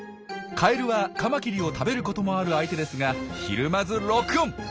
カエルはカマキリを食べることもある相手ですがひるまずロックオン。